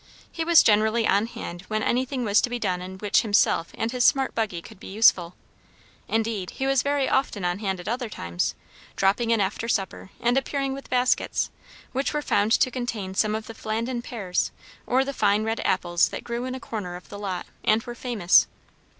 He was generally on hand when anything was to be done in which himself and his smart buggy could be useful. Indeed, he was very often on hand at other times; dropping in after supper, and appearing with baskets, which were found to contain some of the Flandin pears or the fine red apples that grew in a corner of the lot, and were famous.